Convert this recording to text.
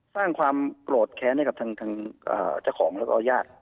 สร้างความโกรธแค้นให้กับทางเจ้าของแล้วก็ญาติ